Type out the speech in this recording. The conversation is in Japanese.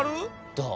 どう？